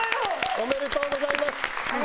ありがとうございます。